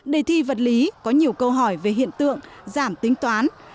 đề thi vật lý có nhiều câu hỏi về hiện tượng giảm tính toán